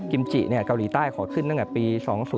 กิมจิเนี่ยเกาหลีใต้ขอขึ้นตั้งแต่ปี๒๐๑๓